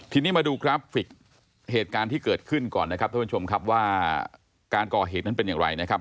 ทีนี้มาดูกราฟิกเหตุการณ์ที่เกิดขึ้นก่อนนะครับท่านว่าเกาะเหตุเป็นอะไรนะครับ